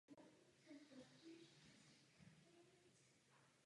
Sdělovací prostředky v současné době přinášejí plno informací o Číně.